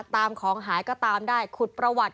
ตามของหายก็ตามได้ขุดประวัติ